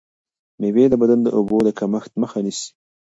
مېوې د بدن د اوبو د کمښت مخه نیسي.